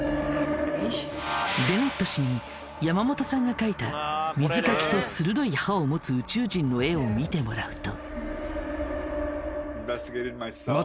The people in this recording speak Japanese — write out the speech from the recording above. デネット氏に山本さんが描いた水かきと鋭い歯を持つ宇宙人の絵を見てもらうと。